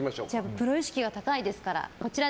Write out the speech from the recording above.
プロ意識が高いですから。